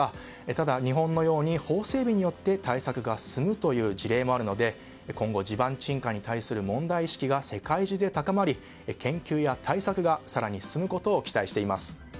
ただ、日本のように法整備により対策が進む事例もあるので今後、地盤沈下に対する問題意識が世界中で高まり研究や対策が更に進むことを期待しています。